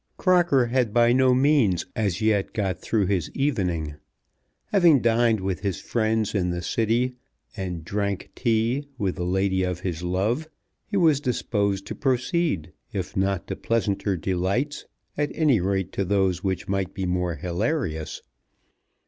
Crocker had by no means as yet got through his evening. Having dined with his friends in the City, and "drank tea" with the lady of his love, he was disposed to proceed, if not to pleasanter delights, at any rate to those which might be more hilarious.